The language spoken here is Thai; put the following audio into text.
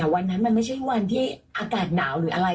วันนั้นมันไม่ใช่วันที่อากาศหนาวหรืออะไร